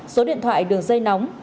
số điện thoại đường dây nóng